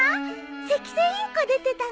セキセイインコ出てたね。